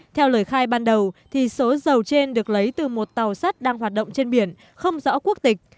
theo lời khai ban đầu số dầu trên được lấy từ một tàu sắt đang hoạt động trên biển không rõ quốc tịch